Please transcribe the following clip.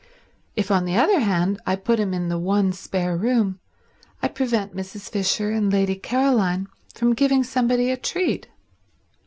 If on the other hand I put him in the one spare room, I prevent Mrs. Fisher and Lady Caroline from giving somebody a treat.